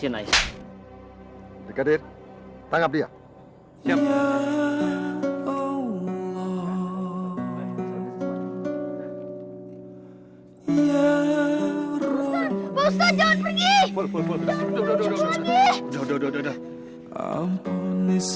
jangan pergi lagi ya pak ustadz